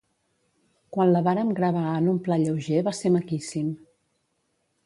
Quan la vàrem gravar en un pla lleuger va ser maquíssim.